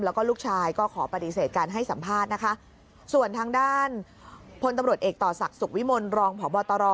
แล้วก็ลูกชายก็ขอปฏิเสธการให้สัมภาษณ์นะคะส่วนทางด้านพลตำรวจเอกต่อศักดิ์สุขวิมลรองพบตร